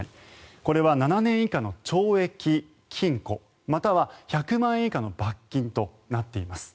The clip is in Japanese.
これは７年以下の懲役・禁錮または１００万円以下の罰金となっています。